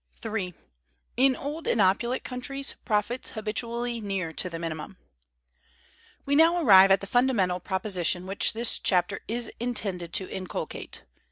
§ 3. In old and opulent countries, profits habitually near to the minimum. We now arrive at the fundamental proposition which this chapter is intended to inculcate.